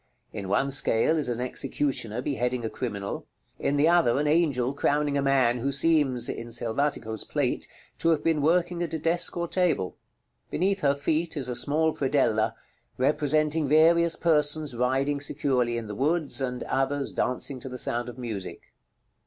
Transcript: In one scale is an executioner beheading a criminal; in the other an angel crowning a man who seems (in Selvatico's plate) to have been working at a desk or table. Beneath her feet is a small predella, representing various persons riding securely in the woods, and others dancing to the sound of music.